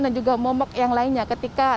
dan juga momok yang lainnya ketika